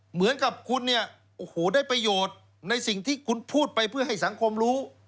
เหมือนกับคุณเนี่ยโอ้โหได้ประโยชน์ในสิ่งที่คุณพูดไปเพื่อให้สังคมรู้